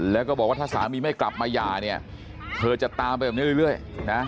แล้วก็บอกว่าถ้าสามีไม่กลับมาหย่าเนี่ยเธอจะตามไปแบบนี้เรื่อยนะ